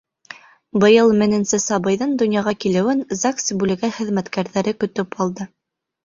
Быйыл меңенсе сабыйҙың донъяға килеүен ЗАГС бүлеге хеҙмәткәрҙәре көтөп алды.